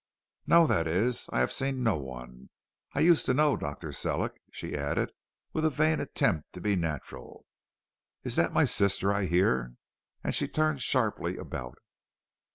"No; that is, I have seen no one I used to know Dr. Sellick," she added with a vain attempt to be natural. "Is that my sister I hear?" And she turned sharply about.